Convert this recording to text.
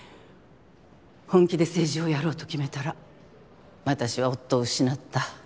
本気で政治をやろうと決めたら私は夫を失った。